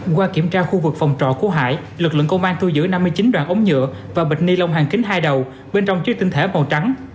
qua kiểm tra khu vực phòng trọ của hải lực lượng công an thu giữ năm mươi chín đoạn ống nhựa và bịch ni lông hàng kính hai đầu bên trong chứa tinh thể màu trắng